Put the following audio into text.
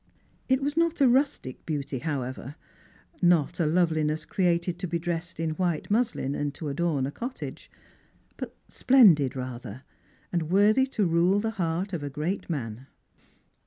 It was not a rustic beauty, however — not a loveliness created to be dressed in white muslin and to adorn a cottage — but splendid rather, and worthy to rule the heart of a great man.